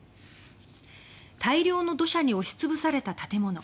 大量の土砂に押しつぶされた建物。